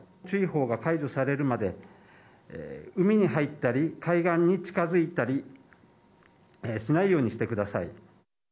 注意報が解除されるまで、海に入ったり、海岸に近づいたりしないようにしてください。